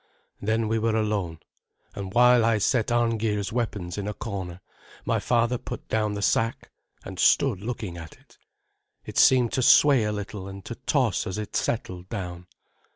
Then we were alone, and while I set Arngeir's weapons in a corner, my father put down the sack, and stood looking at it. It seemed to sway a little, and to toss as it settled down.